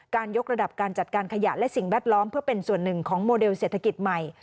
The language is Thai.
ยกระดับการจัดการขยะและสิ่งแวดล้อมเพื่อเป็นส่วนหนึ่งของโมเดลเศรษฐกิจใหม่